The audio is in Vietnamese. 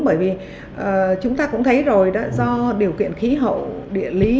bởi vì chúng ta cũng thấy rồi đó do điều kiện khí hậu địa lý